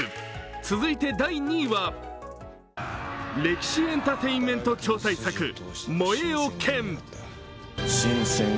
続いて第２位は歴史エンターテインメント超大作「燃えよ剣」。